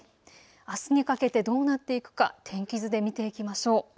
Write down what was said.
あすにかけてどうなっていくか天気図で見ていきましょう。